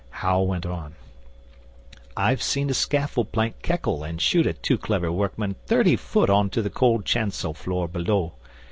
Hal went on: 'I've seen a scaffold plank keckle and shoot a too clever workman thirty foot on to the cold chancel floor below.